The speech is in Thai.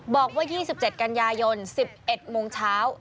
บอกว่า๒๗กันยายน๑๑โมงเช้า